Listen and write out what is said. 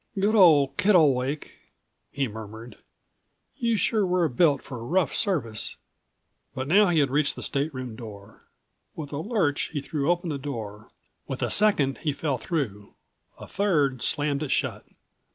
"Good old Kittlewake," he murmured, "you198 sure were built for rough service!" But now he had reached his stateroom door. With a lurch he threw open the door, with a second he fell through, a third slammed it shut.